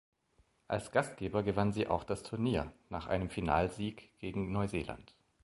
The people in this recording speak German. Als Gastgeber gewannen sie auch das Turnier, nach einem Finalsieg gegen Neuseeland.